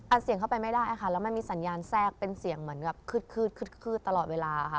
เสียงเข้าไปไม่ได้ค่ะแล้วมันมีสัญญาณแทรกเป็นเสียงเหมือนกับคืดตลอดเวลาค่ะ